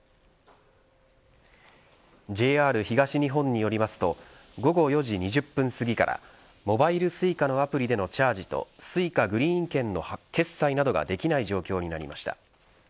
ＪＲ東日本によりますと午後４時２０分過ぎからモバイルＳｕｉｃａのアプリでのチャージとＳｕｉｃａグリーン券の決済などができない状況になりました。